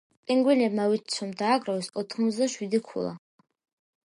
პინგვინებმა ვიცით, რომ დააგროვეს ოთხმოცდაშვიდი ქულა.